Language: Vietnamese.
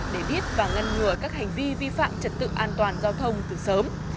để biết và ngăn ngừa các hành vi vi phạm trật tự an toàn giao thông từ sớm